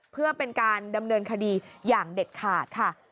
เพื่อเป็นการดำเนินคดีอย่างเด็ดขาดค่ะ